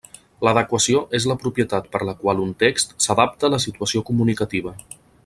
L'adequació és la propietat per la qual un text s'adapta a la situació comunicativa.